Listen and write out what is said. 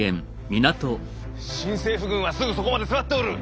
新政府軍はすぐそこまで迫っておる！